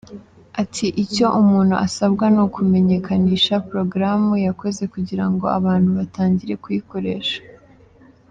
Ati” Icyo umuntu asabwa ni ukumenyekanisha porogaramu yakoze kugira ngo abantu batangire kuyikoresha.